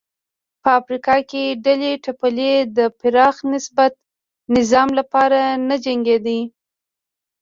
په افریقا کې ډلې ټپلې د پراخ بنسټه نظام لپاره نه جنګېدې.